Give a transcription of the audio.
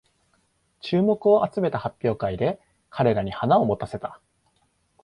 注目を集めた発表会で彼らに花を持たせた